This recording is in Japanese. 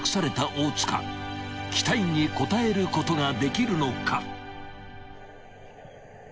［期待に応えることができるのか］